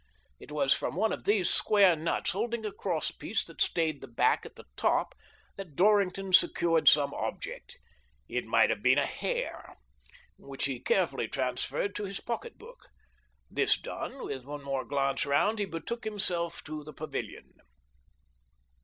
It was from one of these square nuts, holding a cross piece that stayed the back at the ''AVALANCHE BICYCLE AND TYBE CO., LTDr 173 top, that Dorrington secured some object — it might have been a hair — which he carefully transferred to his pocket book. This done, with one more glance round, he betook himself to the pavilion.